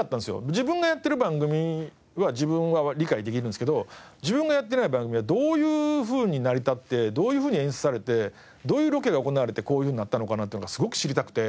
自分がやってる番組は自分は理解できるんですけど自分がやってない番組はどういうふうに成り立ってどういうふうに演出されてどういうロケが行われてこういうふうになったのかなっていうのがすごく知りたくて。